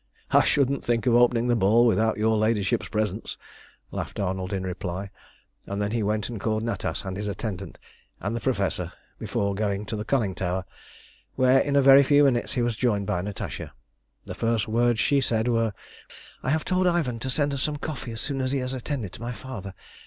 "I shouldn't think of opening the ball without your ladyship's presence," laughed Arnold in reply, and then he went and called Natas and his attendant and the Professor before going to the conning tower, where in a very few minutes he was joined by Natasha. The first words she said were "I have told Ivan to send us some coffee as soon as he has attended to my father.